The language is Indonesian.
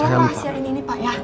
ada yang rahasia ini nih pak ya